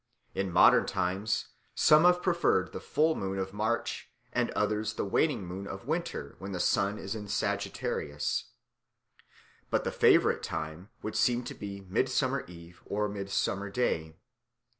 In modern times some have preferred the full moon of March and others the waning moon of winter when the sun is in Sagittarius. But the favourite time would seem to be Midsummer Eve or Midsummer Day.